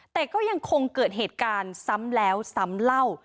แต่ก็ยังคงเกิดเหตุการณ์ซ้ำแล้วซ้ำเล่า